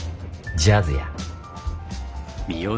ジャズや。